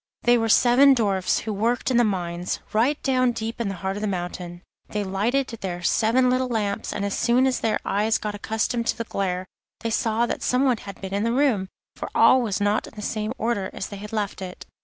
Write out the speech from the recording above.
They were seven dwarfs who worked in the mines, right down deep in the heart of the mountain. They lighted their seven little lamps, and as soon as their eyes got accustomed to the glare they saw that someone had been in the room, for all was not in the same order as they had left it.